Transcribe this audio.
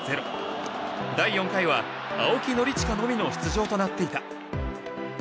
第４回は青木宣親のみの出場となっていた。